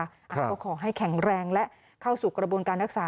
ก็ขอให้แข็งแรงและเข้าสู่กระบวนการรักษา